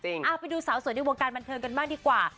เอาไปดูสาวสวยในวงการบันเทิงกันบ้างดีกว่า